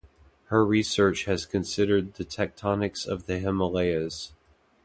Her research has considered the tectonics of the Himalayas.